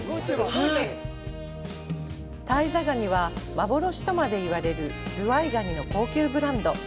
間人ガニは、“幻”とまで言われるズワイガニの高級ブランド。